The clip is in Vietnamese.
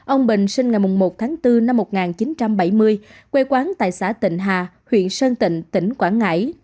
ông bình sinh ngày một tháng bốn năm một nghìn chín trăm bảy mươi quê quán tại xã tịnh hà huyện sơn tịnh tỉnh quảng ngãi